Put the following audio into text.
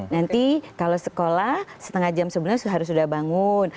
nanti kalau sekolah setengah jam sebelumnya harus sudah bangun